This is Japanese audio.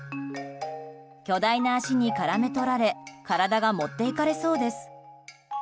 巨大な脚に絡め取られ体が持っていかれそうです。